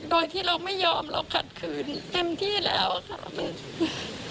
โดยที่เราไม่ยอมเราขัดคืนเต็มที่แล้วค่ะ